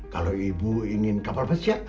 kalau ibu ingin kapal pesiar